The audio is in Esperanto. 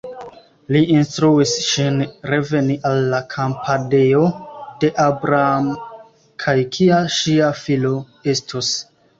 Li instruis ŝin reveni al la kampadejo de Abram, kaj kia ŝia filo estos.